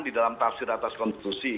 di dalam tafsir atas konstitusi